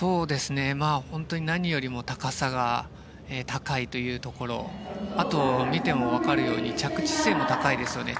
本当に何よりも高さが高いというところあとは見てもわかるように着地姿勢も高いですよね。